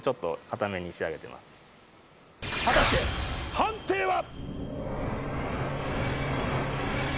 果たして判定は？